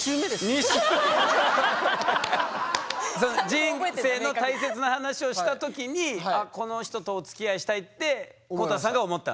人生の大切な話をした時にこの人とおつきあいしたいって公太さんが思ったんだ。